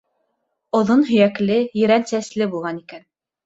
Оҙон һөйәкле, ерән сәсле булған икән.